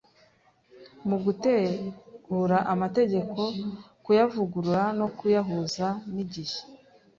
Mu gutegura amategeko kuyavugurura no kuyahuza n igihe